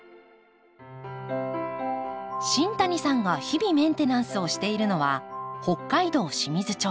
新谷さんが日々メンテナンスをしているのは北海道清水町